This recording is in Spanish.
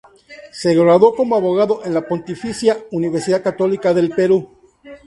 Se graduó como abogado en la Pontificia Universidad Católica del Perú.